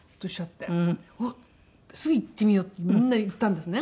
あっすぐ行ってみようってみんな行ったんですね。